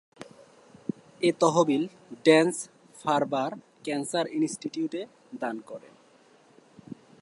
এ তহবিল Dana Farber cancer ইনস্টিটিউটে, দান করেন।